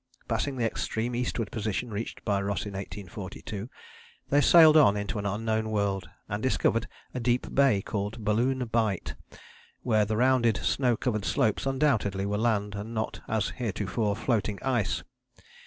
Passing the extreme eastward position reached by Ross in 1842, they sailed on into an unknown world, and discovered a deep bay, called Balloon Bight, where the rounded snow covered slopes undoubtedly were land and not, as heretofore, floating ice.